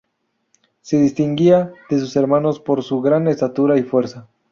Se distinguía de sus hermanos por su gran estatura y fuerza.